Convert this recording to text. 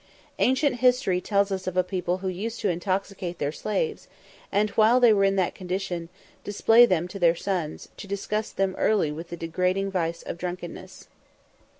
Ancient history tells us of a people who used to intoxicate their slaves, and, while they were in that condition, display them to their sons, to disgust them early with the degrading vice of drunkenness.